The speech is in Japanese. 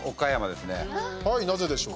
はい、なぜでしょう？